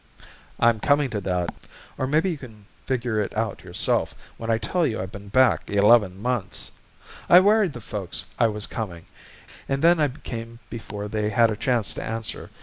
"I'm coming to that. Or maybe you can figure it out yourself when I tell you I've been back eleven months. I wired the folks I was coming, and then I came before they had a chance to answer.